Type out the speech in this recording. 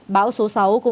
bão số sáu cũng đã xảy ra